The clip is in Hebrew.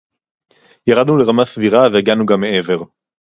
ירדנו לרמה סבירה והגענו גם מעבר